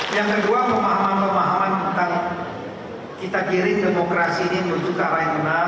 yang kedua pemahaman pemahaman tentang kita kirim demokrasi ini untuk ke arah yang benar